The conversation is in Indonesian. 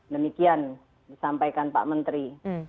demikian disampaikan pak menteri